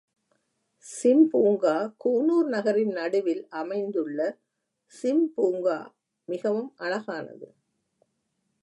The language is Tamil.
சிம் பூங்கா கூனூர் நகரின் நடுவில் அமைந்துள்ள சிம் பூங்கா மிகவும் அழகானது.